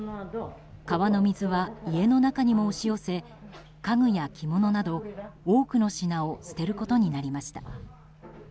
川の水は家の中にも押し寄せ家具や着物など多くの品を捨てることになりました。